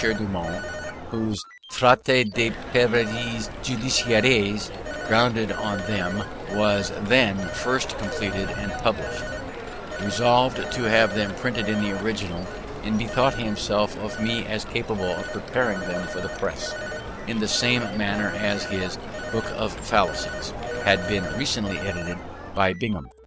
Dumont (whose Traité des Preuves Judiciaires, grounded on them, was then first completed and published), resolved to have them printed in the original, and bethought himself of me as capable of preparing them for the press; in the same manner as his Book of Fallacies had been recently edited by Bingham.